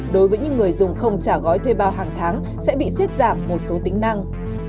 đối với những người dùng không trả gói thuê bao hàng tháng sẽ bị xiết giảm một số tính năng